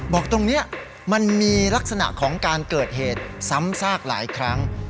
บอกตรงนี้มันมีลักษณะของการเกิดเหตุซ้ำซากหลายครั้ง